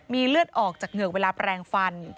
มีเลือดออกจากเหงือกเวลาแปลงฟัน